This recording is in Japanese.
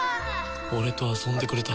俺と遊んでくれた。